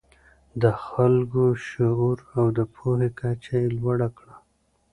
د خلکو شعور او د پوهې کچه یې لوړه کړه.